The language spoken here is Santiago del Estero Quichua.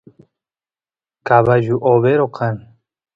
cabullu overo kan